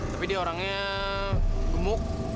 tapi dia orangnya gemuk